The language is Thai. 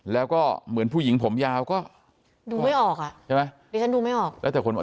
แล้วก็เหมือนผู้หญิงผมยาวก็ดูไม่ออกอ่ะ